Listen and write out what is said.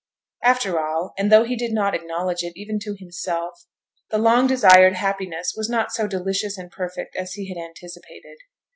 After all, and though he did not acknowledge it even to himself, the long desired happiness was not so delicious and perfect as he had anticipated.